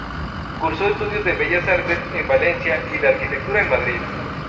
Cursó estudios de bellas artes en Valencia y de arquitectura en Madrid.